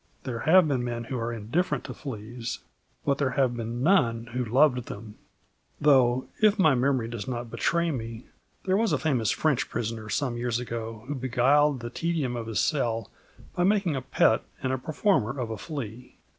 There have been men who were indifferent to fleas, but there have been none who loved them, though if my memory does not betray me there was a famous French prisoner some years ago who beguiled the tedium of his cell by making a pet and a performer of a flea.